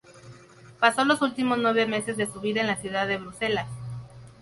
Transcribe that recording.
Pasó los últimos nueve meses de su vida en la ciudad de Bruselas.